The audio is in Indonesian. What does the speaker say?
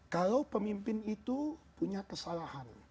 kalau pemimpin itu punya kesalahan